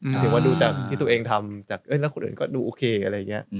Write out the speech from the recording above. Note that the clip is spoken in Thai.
ถือว่าดูจากที่ตัวเองทำจากแล้วคนอื่นก็ดูโอเคอะไรอย่างนี้